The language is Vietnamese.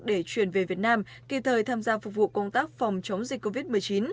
để chuyển về việt nam kỳ thời tham gia phục vụ công tác phòng chống dịch covid một mươi chín